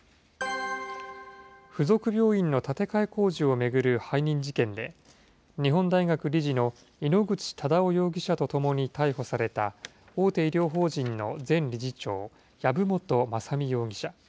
付属病院の建て替え工事を巡る背任事件で、日本大学理事の井ノ口忠男容疑者と共に逮捕された、大手医療法人の前理事長、籔本雅巳容疑者。